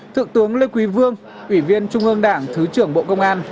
thượng tướng lê quý vương ủy viên trung ương đảng thứ trưởng bộ công an